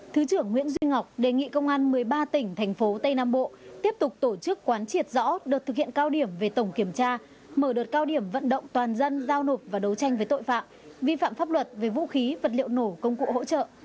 thứ trưởng nguyễn duy ngọc đề nghị công an một mươi ba tỉnh thành phố tây nam bộ tiếp tục tổ chức quán triệt rõ đợt thực hiện cao điểm về tổng kiểm tra mở đợt cao điểm vận động toàn dân giao nộp và đấu tranh với tội phạm vi phạm pháp luật về vũ khí vật liệu nổ công cụ hỗ trợ